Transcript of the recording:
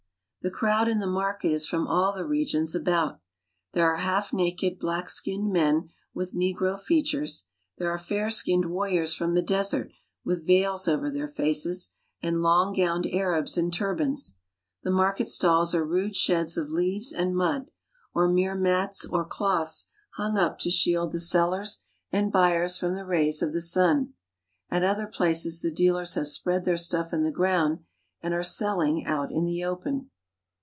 The crowd in the market is from all the regions about. ' There are half naked, black skinned men with negro fea ■! urea, there are fair skinned warriors from the desert with j eils over their faces, and long gowned Arabs in turbans, j Jhe market stalls are rude sheds of leaves and mud, or tnere mats or cloths hung up to shield the sellers and I S)uyers from the rays of the sun. At other places the i tealers have spread their stuff on the ground and are elling out in the open.